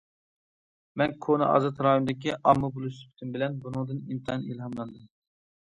مەن كونا ئازاد رايوندىكى ئامما بولۇش سۈپىتىم بىلەن بۇنىڭدىن ئىنتايىن ئىلھاملاندىم.